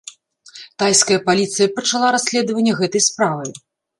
Тайская паліцыя пачала расследаванне гэтай справы.